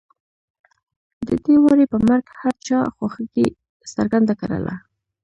د دې وري په مرګ هر چا خواخوږي څرګنده کړله.